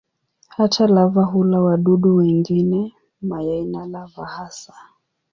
Hata lava hula wadudu wengine, mayai na lava hasa.